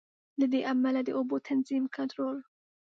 له دې امله د اوبو تنظیم، کنټرول.